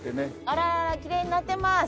あらららきれいになってます。